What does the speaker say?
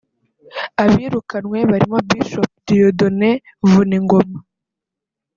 Abirukanwe barimo Bishop Dieudone Vuningoma